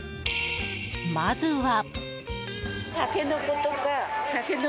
まずは。